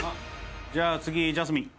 じゃあ次ジャスミン。